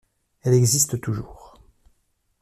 Elle existe toujours.